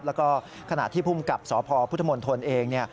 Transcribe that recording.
แล้วก็ขณะที่ภูมิกับสพพุทธมนตรเอง